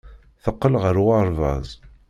Teqqel ɣer uɣerbaz.